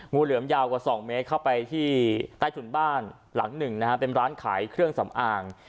งูเหลือมยาวกว่า๒เมตรเข้าไปที่ใต้ถุนบ้านหลังหนึ่งนะฮะเป็นร้านขายเครื่องสำอาง